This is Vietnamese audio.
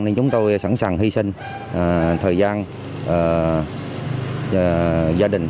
nên chúng tôi sẵn sàng hy sinh thời gian gia đình